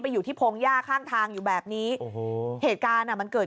อยู่ที่พงหญ้าข้างทางอยู่แบบนี้โอ้โหเหตุการณ์อ่ะมันเกิด